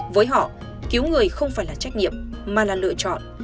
với họ cứu người không phải là trách nhiệm mà là lựa chọn